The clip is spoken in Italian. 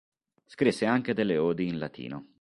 Scrisse anche delle odi in latino.